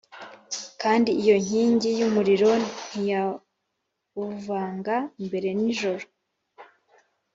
kandi iyo nkingi y’umuriro ntiyabuvaga imbere nijoro.”